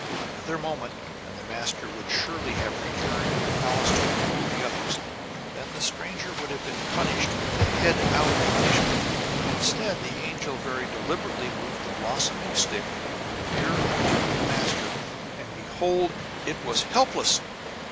Another moment, and the master would surely have returned to the palace to inform the others; and then the stranger would have been punished with the Head Out punishment. But instead the angel very deliberately moved the blooming stick near unto the master; and behold, it was helpless!